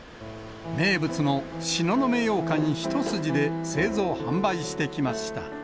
名物の東雲羊羹一筋で製造・販売してきました。